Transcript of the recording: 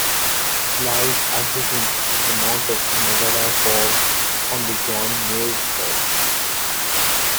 It lies adjacent, to the north of Nevada Fall, on the John Muir Trail.